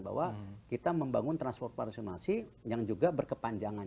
bahwa kita membangun transport parasyumasi yang juga berkepanjangan